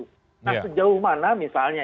nah sejauh mana misalnya